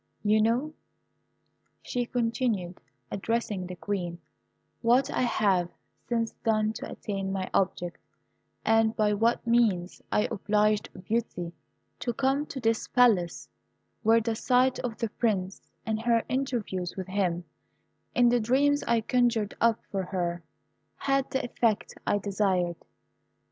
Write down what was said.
"You know," she continued, addressing the Queen, "what I have since done to attain my object, and by what means I obliged Beauty to come to this Palace, where the sight of the Prince, and her interviews with him, in the dreams I conjured up for her, had the effect I desired.